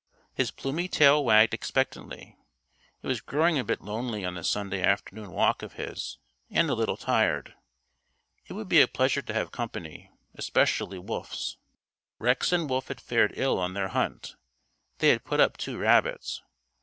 His plumy tail wagged expectantly. He was growing a bit lonely on this Sunday afternoon walk of his, and a little tired. It would be a pleasure to have company especially Wolf's. Rex and Wolf had fared ill on their hunt. They had put up two rabbits.